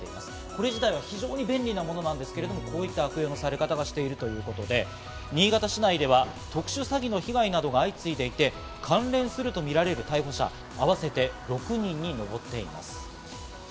これ自体、非常に便利ですけれども、こういった悪用がされているということで、新潟市内では特殊詐欺の被害などが相次いでいて、関連するとみられる逮捕者、合わせて６人にのぼっています。